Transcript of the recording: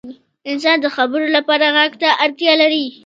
• انسانان د خبرو لپاره ږغ ته اړتیا لري.